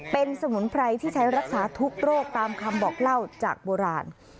เป็นสมุนไพรที่ใช้รักษาทุกโรคตามคำบอกเล่าจากโบราณ